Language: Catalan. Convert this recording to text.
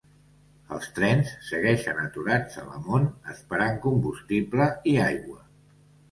Els trens segueixen aturats a Lamont esperant combustible i aigua.